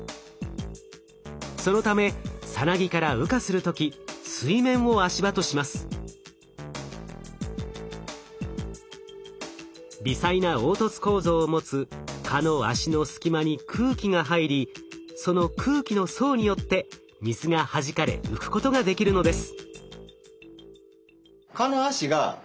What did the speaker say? そのためさなぎから微細な凹凸構造を持つ蚊の脚の隙間に空気が入りその空気の層によって水がはじかれ浮くことができるのです。